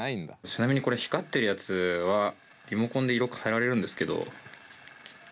ちなみにこれ光ってるやつはリモコンで色変えられるんですけど基本紫色にしてます。